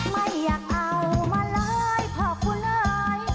ไม่อยากเอามาเลยเพราะคุณหน่อย